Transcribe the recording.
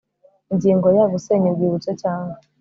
Ingingo ya Gusenya urwibutso cyangwa